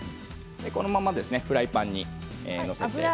このままフライパンに載せていきます。